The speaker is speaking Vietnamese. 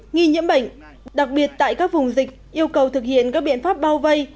nghi nhiễm bệnh đặc biệt tại các vùng dịch yêu cầu thực hiện các biện pháp bao vây